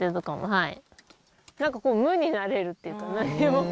はい。